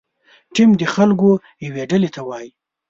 ټیم د خلکو یوې ډلې ته وایي.